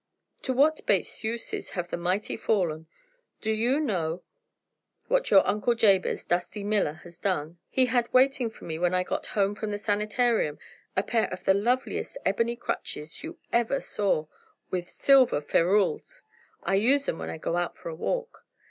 To what base uses have the mighty fallen! Do you know what your Uncle Jabez Dusty Miller has done? He had waiting for me when I got home from the sanitarium a pair of the loveliest ebony crutches you ever saw with silver ferrules! I use 'em when I go out for a walk.